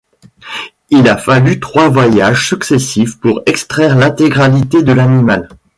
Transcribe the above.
Il a fallu trois voyages successifs pour extraire l'intégralité de l'animal.